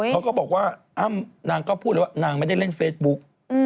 เขาก็บอกว่าอ้ำนางก็พูดเลยว่านางไม่ได้เล่นเฟซบุ๊ก